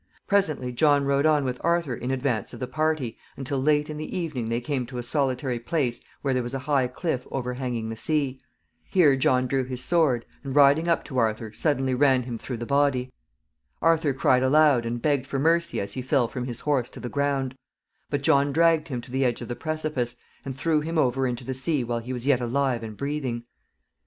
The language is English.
Presently John rode on with Arthur in advance of the party, until late in the evening they came to a solitary place where there was a high cliff overhanging the sea. Here John drew his sword, and, riding up to Arthur, suddenly ran him through the body. Arthur cried aloud, and begged for mercy as he fell from his horse to the ground; but John dragged him to the edge of the precipice, and threw him over into the sea while he was yet alive and breathing.